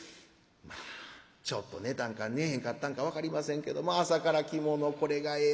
まあちょっと寝たんか寝ぇへんかったんか分かりませんけど朝から着物これがええ